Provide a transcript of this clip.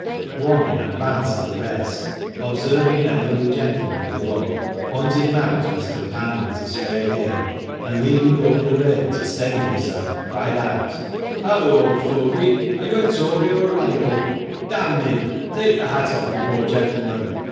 One in advance of the rest, observing an elderly gentleman below, pointed him out to his companions as fair game, and leaning over the rail to steady himself, cried out —" Halloo, old fogey ; are you a Tory or a Radical ? D me, take your hat off before gentlemen!"